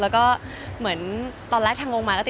ก็เหมือนตอนแรกทางวงไมต์ติดต่อมา